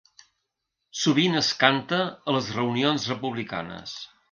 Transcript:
Sovint es canta a les reunions republicanes.